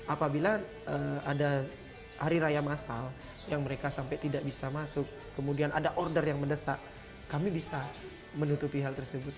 apabila ada hari raya masal yang mereka sampai tidak bisa masuk kemudian ada order yang mendesak kami bisa menutupi hal tersebut